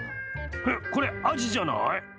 これ、アジじゃない？